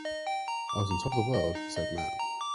"I was on top of the world," said Matt.